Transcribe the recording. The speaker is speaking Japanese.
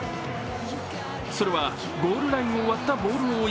それはゴールラインを割ったボールを追い